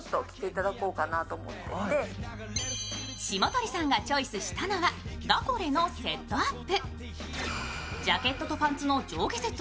霜鳥さんがチョイスしたのは、ラコレのセットアップ。